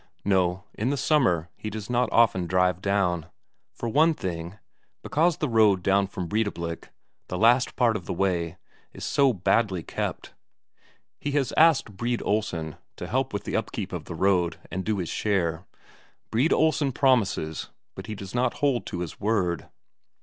No, in the summer he does not often drive down for one thing, because the road down from Breidablik, the last part of the way, is so badly kept. He has asked Brede Olsen to help with the upkeep of the road, and do his share. Brede Olsen promises, but does not hold to his word.